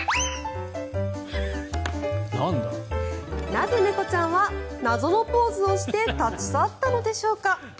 なぜ猫ちゃんは謎のポーズをして立ち去ったのでしょうか。